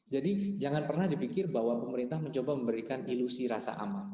jadi jangan pernah dipikir bahwa pemerintah mencoba memberikan ilusi rasa aman